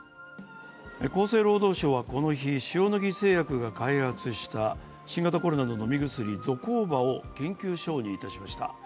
厚生労働省はこの日、塩野義製薬が開発した新型コロナの飲み薬・ゾコーバを緊急承認いたしました。